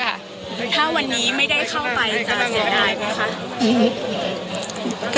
ถ้าวันนี้ไม่ได้เข้าไปจะเสียดายไหมคะ